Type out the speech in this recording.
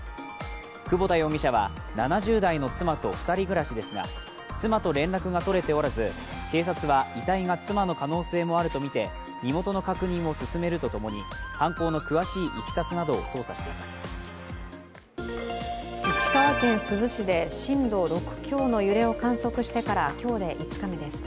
窪田容疑者は７０代の妻と２人暮らしですが妻と連絡が取れておらず警察は遺体が妻の可能性もあるとみて身元の確認を進めるとともに犯行の詳しい石川県珠洲市で震度６強の揺れを観測してから今日で５日目です。